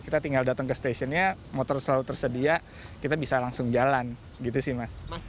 kita tinggal datang ke stasiunnya motor selalu tersedia kita bisa langsung jalan gitu sih mas